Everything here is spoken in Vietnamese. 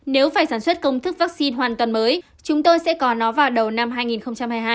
nếu phải sản xuất công thức vaccine hoàn toàn mới chúng tôi sẽ còn nó vào đầu năm hai nghìn hai mươi hai